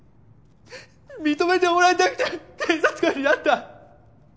認めてもらいたくて警察官になった。